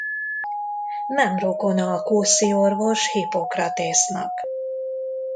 Nem rokona a kószi orvos Hippokratésznak.